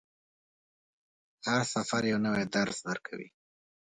هر سفر یو نوی درس درکوي.